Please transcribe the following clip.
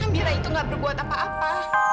gembira itu gak berbuat apa apa